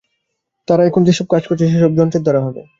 তারা এখন যে-সব কাজ করছে, সে-সব যন্ত্রের দ্বারা হবে।